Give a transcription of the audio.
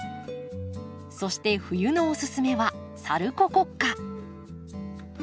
そして冬のおすすめはサルココッカ。